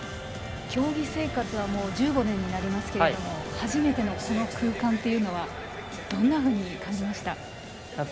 競技生活は１５年になりますが初めてのこの空間はどんなふうに感じましたか。